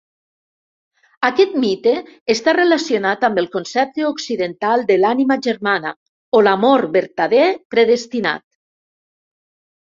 Aquest mite està relacionat amb el concepte occidental de l'ànima germana o l'amor vertader predestinat.